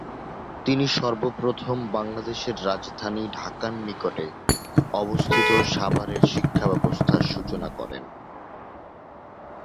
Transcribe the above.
তিনি সর্বপ্রথম বাংলাদেশের রাজধানী ঢাকার নিকটে অবস্থিত সাভারে শিক্ষা ব্যবস্থার সূচনা করেন।